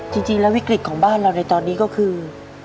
จริงแล้ววิกฤตของบ้านเราในตอนนี้ก็คือ